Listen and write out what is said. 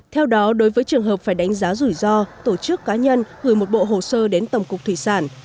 theo đó đối với trường hợp phải đánh giá rủi ro tổ chức cá nhân gửi một bộ hồ sơ đến tổng cục thủy sản